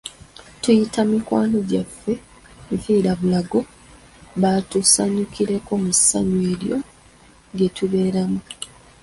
Tuyita mikwano gyaffe nfiirabulago batusanyukireko mu ssanyu eryo lye tubeeramu.